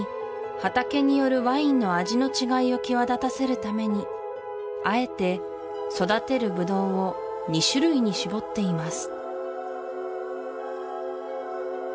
畑によるワインの味の違いを際立たせるためにあえて育てるブドウを２種類に絞っています